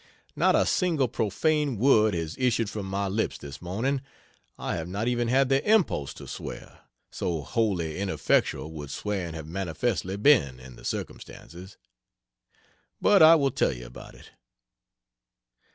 Not a single profane word has issued from my lips this mornin I have not even had the impulse to swear, so wholly ineffectual would swearing have manifestly been, in the circumstances. But I will tell you about it.